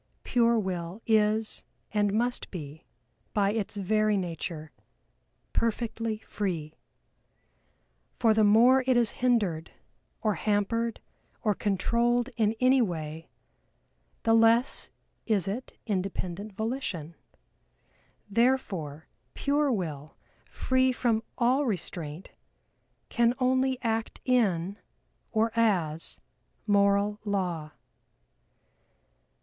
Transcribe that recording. Pure Will is, and must be by its very nature, perfectly free, for the more it is hindered, or hampered, or controlled in any way, the less is it independent volition. Therefore, pare Will, free from all restraint can only act in, or as, Moral Law.